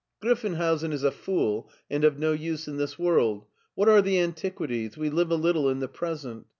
" Griffenhousen is a fool and of no use in this world. What are the antiquities ? We live a little in the present.